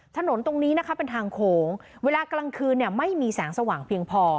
ถนนตรงนี้นะคะเป็นทางโขงเวลากลางคืนเนี่ยไม่มีแสงสว่างเพียงพอ